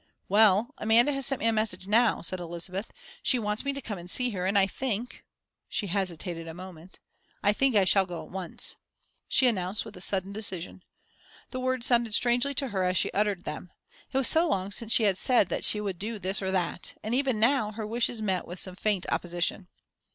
"Well, Amanda has sent me a message now," said Elizabeth. "She wants me to come and see her, and I think" she hesitated a moment "I think I shall go at once," she announced with sudden decision. The words sounded strangely to her as she uttered them. It was so long since she had said that she would do this or that. And even now, her wishes met with some faint opposition.